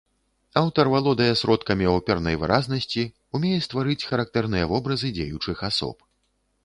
Аўтар валодае сродкамі опернай выразнасці, умее стварыць характэрныя вобразы дзеючых асоб.